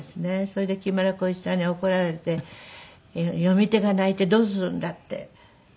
それで木村光一さんに怒られて「読み手が泣いてどうするんだ」って。